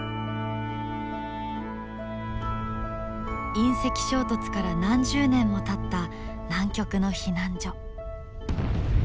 隕石衝突から何十年もたった南極の避難所。